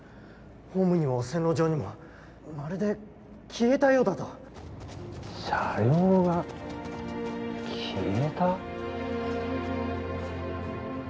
ホームにも線路上にもまるで消えたようだと車両が消えた？